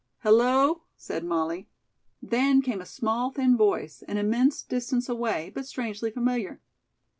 "Hello!" said Molly. Then came a small, thin voice, an immense distance away, but strangely familiar.